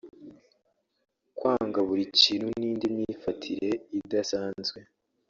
kwanga buri kintu n’indi myifatire idasanzwe